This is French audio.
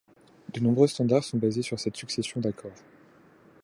De nombreux standards sont basés sur cette succession d'accords.